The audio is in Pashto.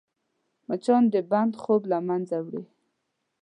مچان د بنده خوب له منځه وړي